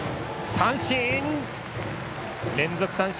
三振！